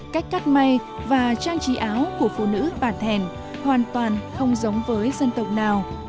cách cắt may và trang trí áo của phụ nữ bà thèn hoàn toàn không giống với dân tộc nào